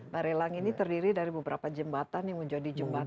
barelang ini terdiri dari beberapa jembatan yang menjadi jembatan